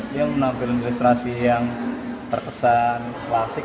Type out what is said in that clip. dia menampilkan ilustrasi yang terkesan klasik